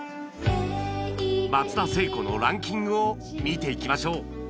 松田聖子のランキングを見ていきましょう